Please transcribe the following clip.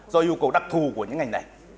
do yêu cầu đặc thù của những ngành này